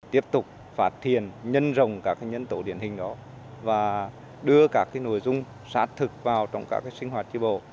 tiếp tục phạt thiền nhân rồng các nhân tố điển hình đó và đưa các nội dung sát thực vào trong các sinh hoạt chi bồ